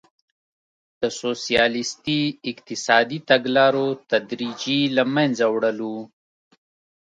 د سوسیالیستي اقتصادي تګلارو تدریجي له منځه وړل وو.